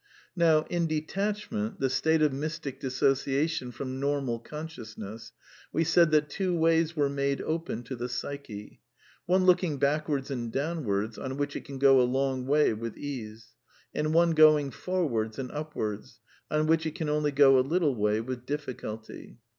Now in detachment, the state of mystic dissociation from normal consciousness, we said that two ways were made open to the psyche : one looking backwards and downwards, on which it can go a long way with ease; and one going} forwards and upwards, on which it can only go a little way I with difficulty.